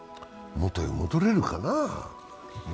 元に戻れるかな。